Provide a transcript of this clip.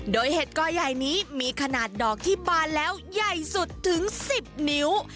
โดยเห็ดกอใหญ่นี้มีขนาดดอกที่บานแล้วใหญ่สุดถึง๑๐นิ้ว